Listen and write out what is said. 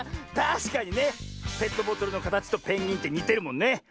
たしかにねペットボトルのかたちとペンギンってにてるもんね。